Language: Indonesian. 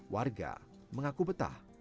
warga mengaku betah